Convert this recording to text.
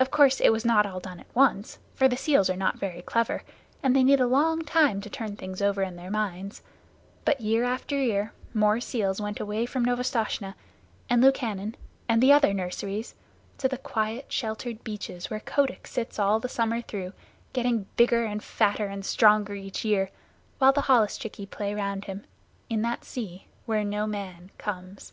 Of course it was not all done at once, for the seals are not very clever, and they need a long time to turn things over in their minds, but year after year more seals went away from Novastoshnah, and Lukannon, and the other nurseries, to the quiet, sheltered beaches where Kotick sits all the summer through, getting bigger and fatter and stronger each year, while the holluschickie play around him, in that sea where no man comes.